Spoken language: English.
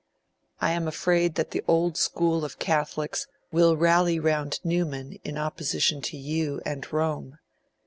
'I am afraid that the old school of Catholics will rally round Newman in opposition to you and Rome.